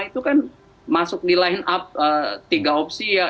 itu kan masuk di line up tiga opsi ya